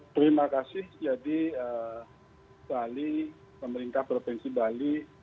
terima kasih jadi bali pemerintah provinsi bali